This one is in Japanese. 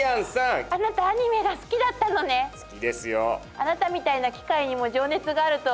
あなたみたいな機械にも情熱があるとは！